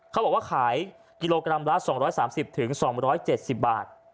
เขาบอกว่าขายกิโลกรัมละ๒๓๐๒๗๐บาท